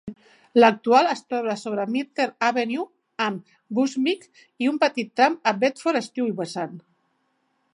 L'actual es troba sobre de Myrtle Avenue amb Bushwick i un petit tram a Bedford-Stuyvesant.